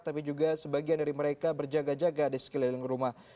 tapi juga sebagian dari mereka berjaga jaga di sekeliling rumah